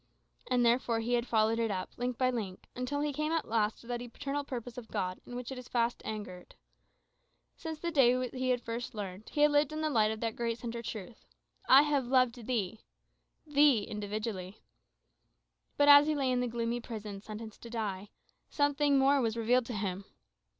And therefore he had followed it up, link by link, until he came at last to that eternal purpose of God in which it was fast anchored. Since the day that he first learned it, he had lived in the light of that great centre truth, "I have loved thee" thee individually. But as he lay in the gloomy prison, sentenced to die, something more was revealed to him.